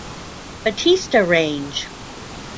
Batista range.